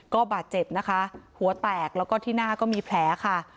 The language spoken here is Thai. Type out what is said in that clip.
ก็บาดเจ็บนะคะหัวแตกแล้วก็ที่หน้าก็มีแผลค่ะ